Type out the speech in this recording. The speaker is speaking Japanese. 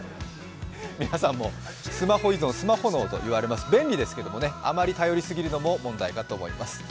皆さんもスマホ依存、スマホ脳といわれています、便利ですけども、あまり頼りすぎるのも問題かと思います。